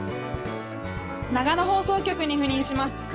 長野放送局に赴任します